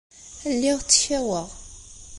Lliɣ ttkaweɣ.